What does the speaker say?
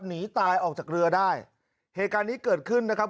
หนีตายออกจากเรือได้เหตุการณ์นี้เกิดขึ้นนะครับ